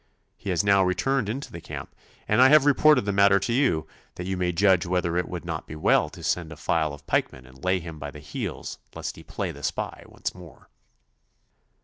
He has now returned into the camp, and I have reported the matter to you, that you may judge whether it would not be well to send a file of pikemen and lay him by the heels lest he play the spy once more.